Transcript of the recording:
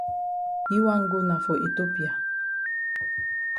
Yi wan go na for Ethiopia.